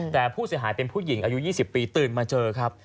แต่ผู้เสียหายเป็นผู้หญิงอายุ๒๐ปีตื่นมาเจอครับ